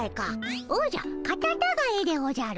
おじゃカタタガエでおじゃる。